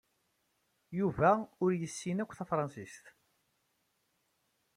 Yuba ur yessin akk tafṛensist.